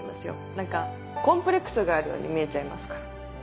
何かコンプレックスがあるように見えちゃいますから。